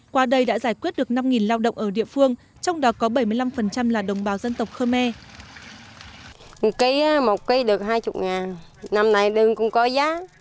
qua đây đã giải quyết được năm lao động ở địa phương trong đó có bảy mươi năm là đồng bào dân tộc khơ me